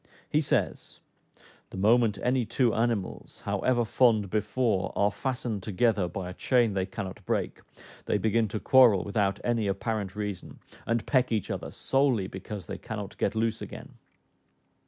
He says, "The moment any two animals, however fond before, are fastened together by a chain they cannot break, they begin to quarrel without any apparent reason, and peck each other solely because they cannot get loose again."